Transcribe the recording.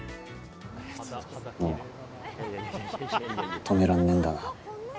もう止められねえんだな。